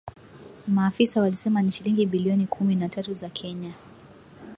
Maafisa walisema ni shilingi bilioni kumi na tatu za Kenya